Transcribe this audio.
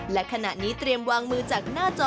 และขณะนี้เตรียมวางมือจากหน้าจอ